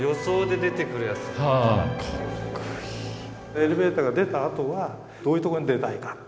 エレベーターから出たあとはどういうとこに出たいか。